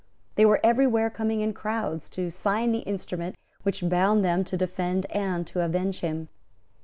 They were every where coming in crowds to sign the instrument which bound them to defend and to avenge him.